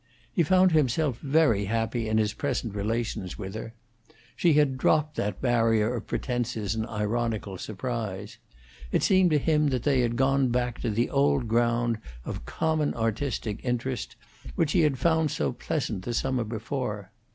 He found himself very happy in his present relations with her. She had dropped that barrier of pretences and ironical surprise. It seemed to him that they had gone back to the old ground of common artistic interest which he had found so pleasant the summer before.